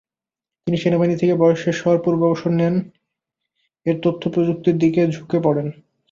তিনি সেনাবাহিনী থেকে বয়স শেষ হওয়ার পূর্বেই অবসর নেন এব তথ্য প্রযুক্তির দিকে ঝুঁকে পড়েন।